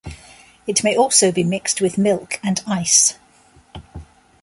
It may also be mixed with milk and ice.